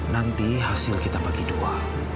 nanti hasil kita bagi dua